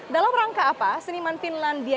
dalam rangka apa seniman finlandia